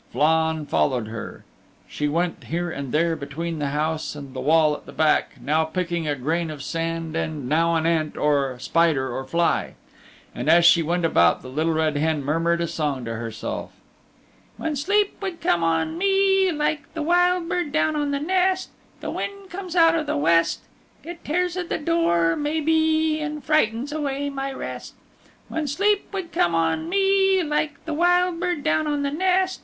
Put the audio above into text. Flann followed her. She went here and there between the house and the wall at the back, now picking a grain of sand and now an ant or spider or fly. And as she went about the Little Red Hen murmured a song to herself: When sleep would settle on me Like the wild bird down on the nest, The wind comes out of the West: It tears at the door, maybe, And frightens away my rest When sleep would come upon me Like the wild bird down on the nest.